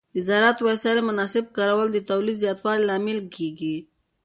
د زراعتي وسایلو مناسب کارول د تولید زیاتوالي لامل کېږي.